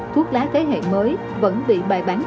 thuốc lá thế hệ mới vẫn bị bài bán trở lại